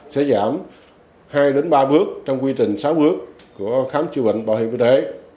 sẽ giảm hai đến ba bước trong quy trình sáu bước của khám chữa bệnh bảo hiểm y tế